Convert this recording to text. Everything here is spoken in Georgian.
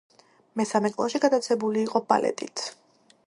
მესამე კლასში გატაცებული იყო ბალეტით.